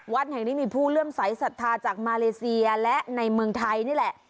วัดแห่งนี้มีผู้เลื่อมใสสัทธาจากมาเลเซียและในเมืองไทยนี่แหละ